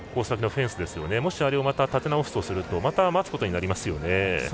脇のフェンスですねもし、あれをまた立て直すとするとまた待つことになりますね。